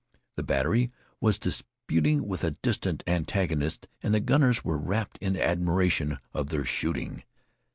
The battery was disputing with a distant antagonist and the gunners were wrapped in admiration of their shooting.